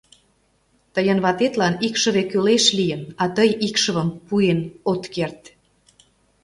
Тыйын ватетлан икшыве кӱлеш лийын, а тый икшывым пуэн от керт.